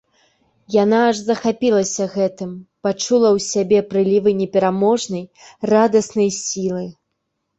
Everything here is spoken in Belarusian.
Яна аж захапілася гэтым, пачула ў сябе прылівы непераможнай радаснай сілы.